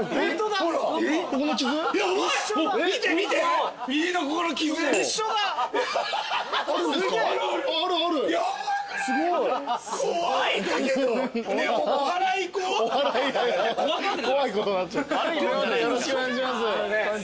よろしくお願いします。